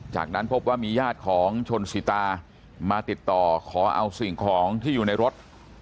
จากนั้นพบว่ามีญาติของชนศิษยาศิลประเทศสินตามาติดต่อขอเอาสิ่งของที่อยู่ในรถ